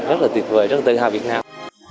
rất là tuyệt vời rất tự hào việt nam